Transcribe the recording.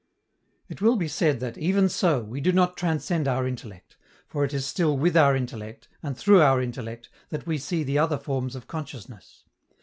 It will be said that, even so, we do not transcend our intellect, for it is still with our intellect, and through our intellect, that we see the other forms of consciousness.